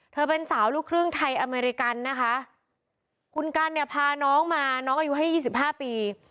เป็นสาวลูกครึ่งไทยอเมริกันนะคะคุณกันเนี่ยพาน้องมาน้องอายุให้ยี่สิบห้าปี